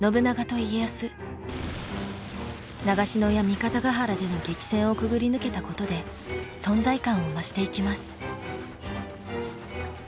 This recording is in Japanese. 長篠や三方ヶ原での激戦をくぐり抜けたことで存在感を増していきます。